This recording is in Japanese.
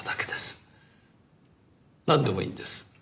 なんでもいいんです。